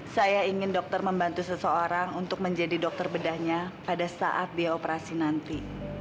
saya ingin dokter membantu seseorang untuk menjadi dokter bedahnya pada saat dia operasi nanti